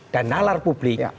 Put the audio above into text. dan nalar publik